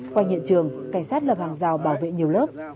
quanh hiện trường cảnh sát lập hàng rào bảo vệ nhiều lớp